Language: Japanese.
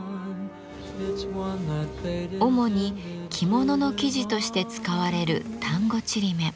主に着物の生地として使われる丹後ちりめん。